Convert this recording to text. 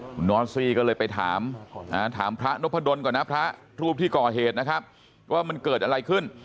คุณนอสซี่ก็เลยไปถามถามพระนพดลก่อนนะพระรูปที่ก่อเหตุนะครับว่ามันเกิดอะไรขึ้น